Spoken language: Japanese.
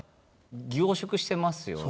凝縮してますよね。